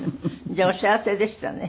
じゃあお幸せでしたね。